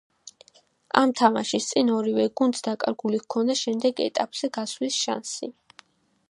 ამ თამაშის წინ ორივე გუნდს დაკარგული ჰქონდა შემდეგ ეტაპზე გასვლის შანსი.